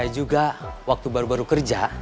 juga waktu baru baru kerja